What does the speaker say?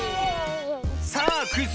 さあクイズ